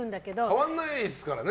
変わらないですからね。